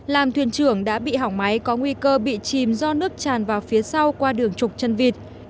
làm thuyền trưởng đã bị hỏng máy có nguy cơ bị chìm do nước tràn vào phía sau qua đường trục chân vịt